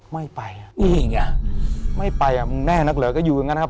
ไม่ไปไม่ไปมึงแน่นักเหลือก็อยู่อย่างนั้นครับ